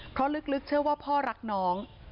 เพราะลึกเชื่อว่าพ่อรักน้อง